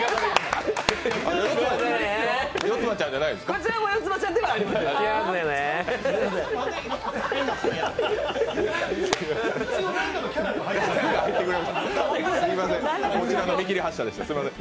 こちらの見切り発車でした。